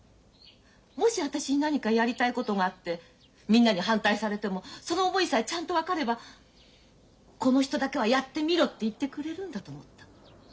もし私に何かやりたいことがあってみんなに反対されてもその思いさえちゃんと分かればこの人だけは「やってみろ」って言ってくれるんだと思った。